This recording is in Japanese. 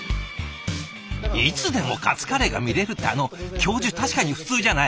いつでもカツカレーが見れるってあの教授確かに普通じゃない。